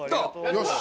よし！